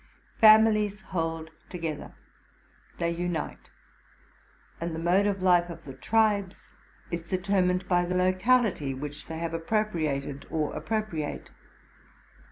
Families hold together: they unite, and the mode of life of the tribes is determined by the locality which they have RELATING TO MY LIFE. 109 appropriated or appropriate.